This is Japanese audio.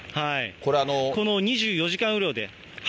この２４時間雨量で。